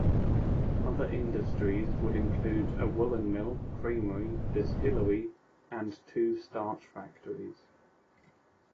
Other industries would include a woolen mill, creamery, distillery and two starch factories.